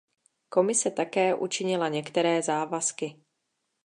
Komise také učinila některé závazky.